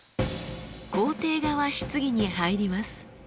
肯定側質疑に入ります。